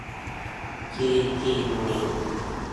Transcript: ซีพียู